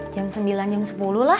jam sembilan jam sepuluh lah